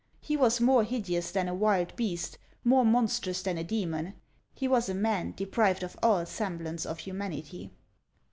He was more hideous than a wild beast, more monstrous than a demon ; he was a man deprived of all semblance of humanity.